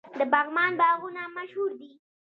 د پغمان باغونه مشهور دي.